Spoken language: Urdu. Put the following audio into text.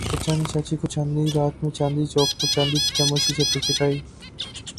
چچا نے چچی کو چاندنی رات میں چاندنی چوک پر چاندی کے چمچ سے چٹنی چٹائ۔